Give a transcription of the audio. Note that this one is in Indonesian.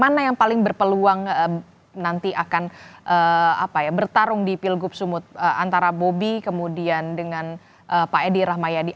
mana yang paling berpeluang nanti akan bertarung di pilgub sumut antara bobi kemudian dengan pak edi rahmayadi